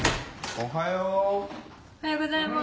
おはようございます。